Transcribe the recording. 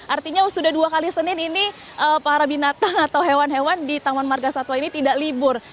artinya sudah dua kali senin ini para binatang atau hewan hewan di taman marga satwa ini tidak libur